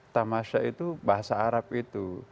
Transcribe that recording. tamasya itu bahasa arab itu